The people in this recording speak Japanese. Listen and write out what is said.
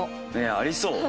ありそう。